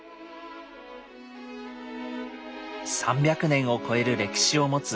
３００年を超える歴史を持つ